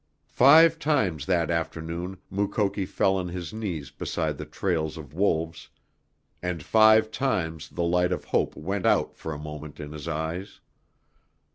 Five times that afternoon Mukoki fell on his knees beside the trails of wolves, and five times the light of hope went out for a moment in his eyes.